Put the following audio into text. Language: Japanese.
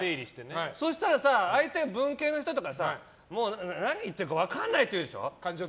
そしたら、相手が文系の人だともう何言ってるか分からないって言うでしょ。